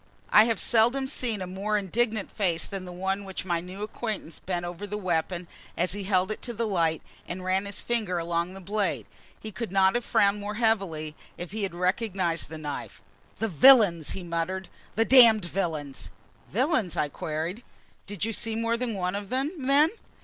I have seldom seen a more indignant face than the one which my new acquaintance bent over the weapon, as he held it to the light, and ran his finger along the blade. He could have not frowned more heavily if he had recognized the knife. "The villains!" he muttered. "The damned villains!" "Villains?" I queried. "Did you see more than one of them, then?"